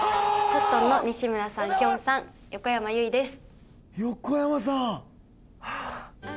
コットンの西村さんきょんさん横山由依です